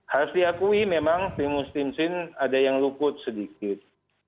harus diakui memang timus timus ada yang lukut sedikit